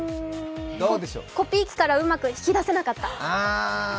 コピー機からうまく引き出せなかった？